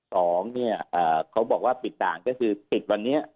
สองเนี่ยเขาบอกว่าปิดด่างก็คือปิดวันนี้